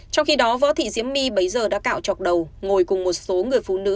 trong khi đó võ thị diễm my bấy giờ đã cạo chọc đầu ngồi cùng một số người phụ nữ